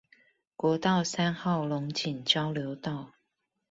國道三號龍井交流道